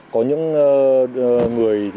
có những lỗi như là nồng độ cồn